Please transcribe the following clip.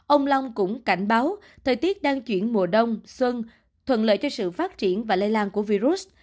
ông long cũng cảnh báo thời tiết đang chuyển mùa đông xuân thuận lợi cho sự phát triển và lây lan của virus